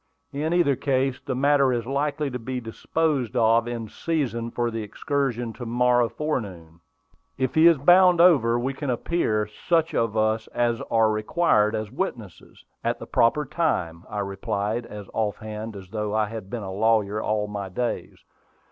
"In either case, the matter is likely to be disposed of in season for the excursion to morrow forenoon. If he is bound over, we can appear, such of us as are required as witnesses, at the proper time," I replied, as off hand as though I had been a lawyer all my days.